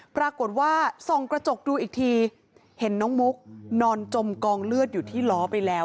ปรากฏว่าส่องกระจกดูอีกทีเห็นน้องมุกนอนจมกองเลือดอยู่ที่ล้อไปแล้ว